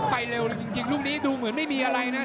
ไปเร็วเลยจริงลูกนี้ดูเหมือนไม่มีอะไรนะ